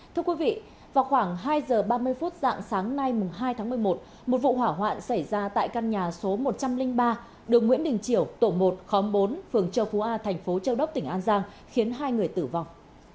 thưa quý vị vào khoảng hai giờ ba mươi phút dạng sáng nay hai tháng một mươi một một vụ hỏa hoạn xảy ra tại căn nhà số một trăm linh ba đường nguyễn đình chiểu tổ một khóm bốn phường châu phú a thành phố châu đốc tỉnh an giang khiến hai người tử vong